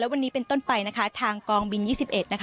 วันนี้เป็นต้นไปทางกองบิน๒๑